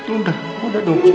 udah udah dong saya